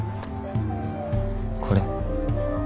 これ。